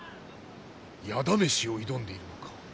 矢試しを挑んでいるのか？